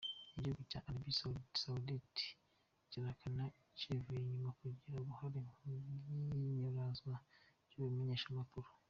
Igihugu ca Arabie Saoudite kirahakana civuye inyuma kugira uruhara mw'inyuruzwa ry'uwo mumenyeshamakuru.